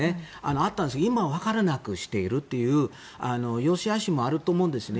あったんですが今はわからなくしているというよしあしもあると思うんですね。